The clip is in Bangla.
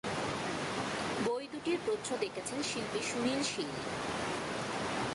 বই দুটির প্রচ্ছদ এঁকেছেন শিল্পী সুনীল শীল।